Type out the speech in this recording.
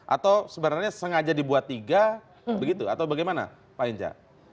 atau sebenarnya sengaja dibuat tiga begitu atau bagaimana pak hinca